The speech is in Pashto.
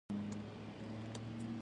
ده نور محروم او بې برخې ساتلي دي.